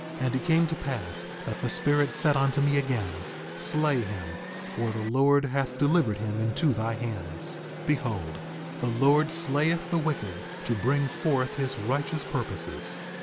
4:12 And it came to pass that the Spirit said unto me again: Slay him, for the Lord hath delivered him into thy hands; 4:13 Behold the Lord slayeth the wicked to bring forth his righteous purposes.